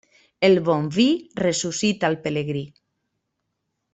El bon vi ressuscita el pelegrí.